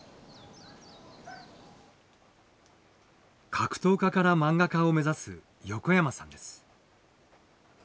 格闘家から漫画家を目指す横山さんです。